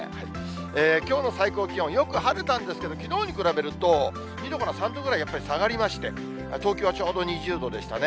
きょうの最高気温、よく晴れたんですけど、きのうに比べると２度から３度ぐらいやっぱり下がりまして、東京はちょうど２０度でしたね。